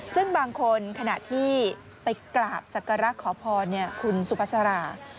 ซึ่งบางคนขณะที่ไปกราบศักระขอพรคุณสุภาษารา